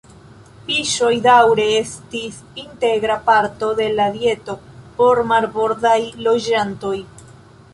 Fiŝoj daŭre estis integra parto de la dieto por marbordaj loĝantoj.